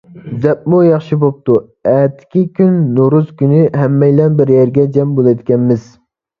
زەپمۇ ياخشى بوپتۇ، ئەتىكى كۈن نورۇز كۈنى، ھەممەيلەن بىر يەرگە جەم بولىدىكەنمىز.